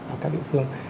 ở các địa phương